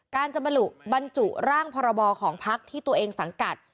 การจะบรรจุร่างพรบของพักที่ตัวเองสังกัด